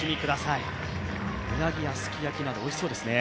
うなぎやすき焼きなど、おいしそうですね。